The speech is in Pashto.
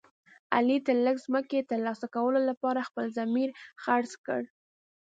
علي د لږ ځمکې تر لاسه کولو لپاره خپل ضمیر خرڅ کړ.